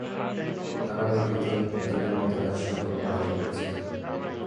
তবে আগামী দুই-তিন দিনের মধ্যে কাজ শুরু করব বলে আশা করছি।